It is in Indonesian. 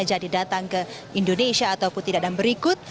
jadi datang ke indonesia ataupun tidak dan berikut